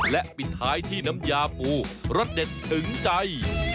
และปิดท้ายที่น้ำยาปูรสเด็ดถึงใจ